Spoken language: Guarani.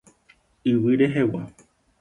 Yvy rehegua.